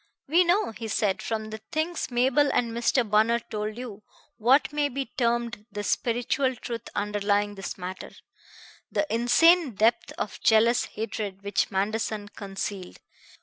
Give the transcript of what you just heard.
"We know," he said, "from the things Mabel and Mr. Bunner told you what may be termed the spiritual truth underlying this matter: the insane depth of jealous hatred which Manderson concealed.